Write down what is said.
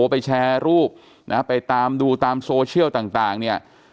ไปแชร์รูปนะไปตามดูตามโซเชียลต่างเนี่ย